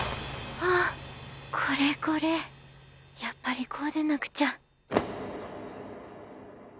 あこれこれやっぱりこうでなくちゃ